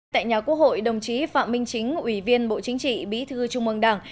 tại nhà quốc hội đồng chí phạm minh chính ủy viên bộ chính trị bí thư trung ương đảng